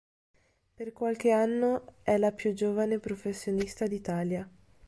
Per qualche anno è la più giovane professionista d'Italia.